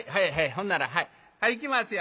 ほんならはいいきますよ。